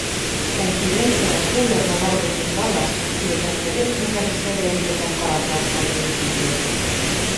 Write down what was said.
Конференцияла ҡулъяҙмалар буйынса ла, киләсәктәге эшмәкәрлеккә бәйле лә ҡарарҙар ҡабул ителде.